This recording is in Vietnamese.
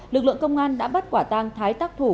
lực lượng công an đã bắt quả tăng thái tắc thủ